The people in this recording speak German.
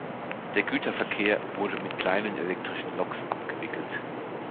Der Güterverkehr wurde mit kleinen elektrischen Loks abgewickelt.